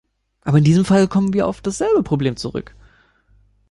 Aber in diesem Fall kommen wir auf dasselbe Problem zurück.